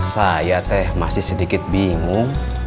saya teh masih sedikit bingung